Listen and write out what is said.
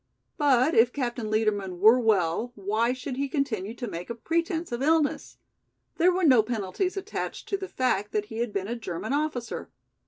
But if Captain Liedermann were well why should he continue to make a pretence of illness? There were no penalties attached to the fact that he had been a German officer.